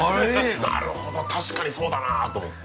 なるほど確かにそうだなと思って。